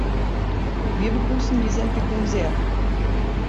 Wir begrüßen diese Entwicklung sehr.